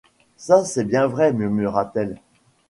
Ça, c’est bien vrai, murmura-t-elle.